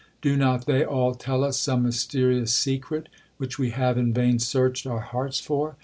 —Do not they all tell us some mysterious secret, which we have in vain searched our hearts for?